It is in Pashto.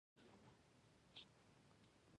خصمانه افدام ته تیار ناست وو.